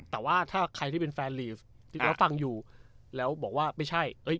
แต่ว่าถ้าใครที่เป็นแฟนลีฟแล้วฟังอยู่แล้วบอกว่าไม่ใช่เอ้ย